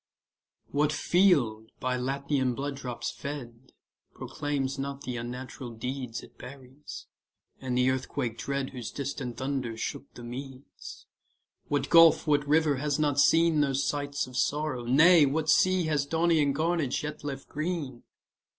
What field, by Latian blood drops fed, Proclaims not the unnatural deeds It buries, and the earthquake dread Whose distant thunder shook the Medes? What gulf, what river has not seen Those sights of sorrow? nay, what sea Has Daunian carnage yet left green?